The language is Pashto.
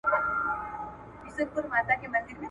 را یادېږي دي خواږه خواږه قولونه ..